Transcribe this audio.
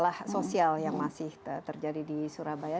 masalah sosial yang masih terjadi di surabaya